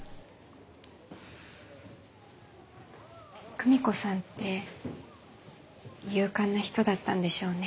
久美子さんって勇敢な人だったんでしょうね。